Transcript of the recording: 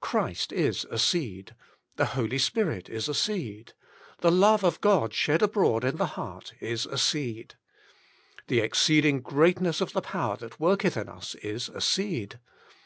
Christ is a seed. The Holy Spirit is a seed. The love of God shed abroad in the heart is a seed. The exceeding greatness of the power that worketh in us is a seed.